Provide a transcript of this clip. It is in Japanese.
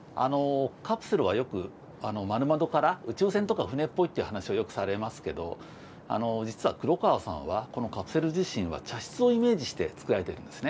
カプセルがよく丸窓から宇宙船とか船っぽいという話をされますけど実は黒川さんはこのカプセル自身は茶室をイメージして作られているんですね。